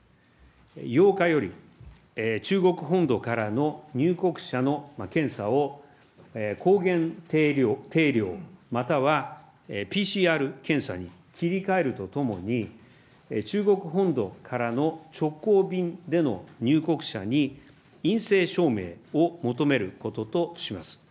８日より中国本土からの入国者の検査を、抗原定量またはＰＣＲ検査に切り替えるとともに、中国本土からの直行便での入国者に、陰性証明を求めることとします。